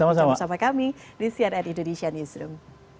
selamat datang bersama sama kami di cnn indonesia newsroom